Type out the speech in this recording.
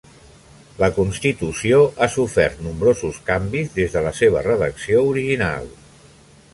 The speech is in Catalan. La constitució ha sofert nombrosos canvis des de la seva redacció original.